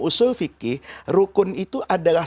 usul fikih rukun itu adalah